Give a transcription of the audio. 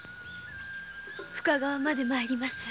深川まで参ります。